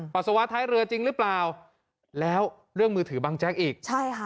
ปัสสาวะท้ายเรือจริงหรือเปล่าแล้วเรื่องมือถือบังแจ๊กอีกใช่ค่ะ